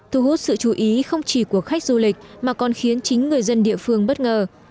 thu hút sự chú ý không chỉ của khách du lịch mà còn khiến chính người dân địa phương bất ngờ